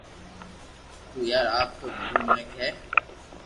تو يار آپ تو ڀلو منيک ھي